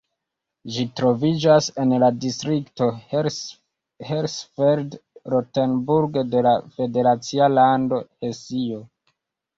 Ĝi troviĝas en la distrikto Hersfeld-Rotenburg de la federacia lando Hesio.